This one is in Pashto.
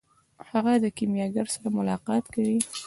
هغه د کیمیاګر سره ملاقات کوي.